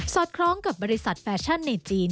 อดคล้องกับบริษัทแฟชั่นในจีน